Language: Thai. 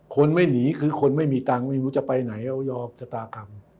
คนไม่หนีคือคนไม่มีตังค์ไม่รู้จะไปไหนออยอชะตากรรม